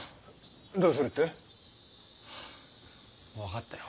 どうするって？ハァ分かったよ